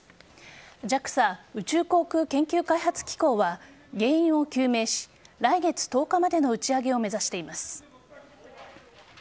ＪＡＸＡ＝宇宙航空研究開発機構は原因を究明し来月１０日までの打ち上げを目指しています。